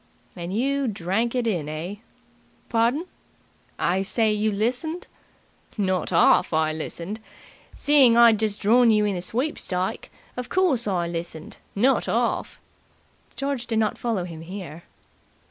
"And you drank it in, eh?" "Pardon?" "I say, you listened?" "Not 'arf I listened. Seeing I'd just drawn you in the sweepstike, of course, I listened not 'arf!" George did not follow him here.